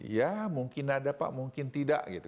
ya mungkin ada pak mungkin tidak gitu